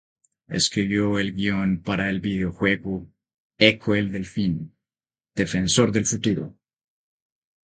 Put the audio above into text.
Escribió el guion para el videojuego "Ecco el delfín: defensor del futuro".